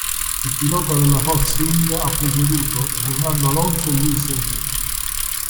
Il pilota della Force India ha preceduto Fernando Alonso e Lewis Hamilton.